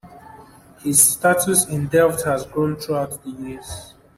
His status in Delft had grown throughout the years.